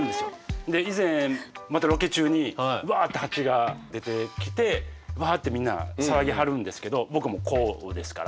以前またロケ中にうわってハチが出てきてうわってみんな騒ぎはるんですけど僕はもうこうですから。